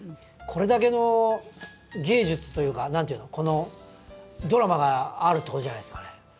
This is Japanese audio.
これだけの芸術というか何ていうのこのドラマがあるってことじゃないですかね。